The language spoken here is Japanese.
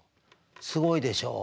すごいでしょう？